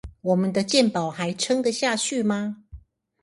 我們的健保還撐得下去嗎